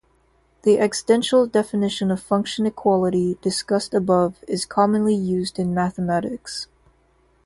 The extensional definition of function equality, discussed above, is commonly used in mathematics.